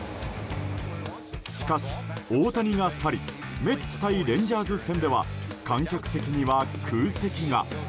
しかし、大谷が去りメッツ対レンジャーズ戦では観客席には空席が。